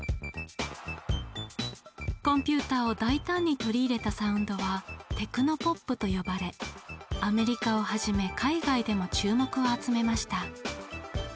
コンピューターを大胆に取り入れたサウンドはテクノポップと呼ばれアメリカをはじめ海外でも注目を集めました。